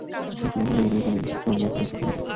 আর কোন কোন জায়গা থেকে কনফার্মেশন এসেছে, অ্যাডুল?